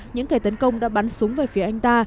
những kẻ tấn công đã bắn súng về phía anh ta